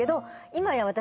今や私